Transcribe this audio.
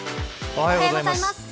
おはようございます。